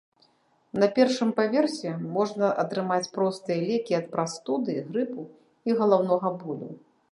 На першым паверсе можна атрымаць простыя лекі ад прастуды, грыпу і галаўнога болю.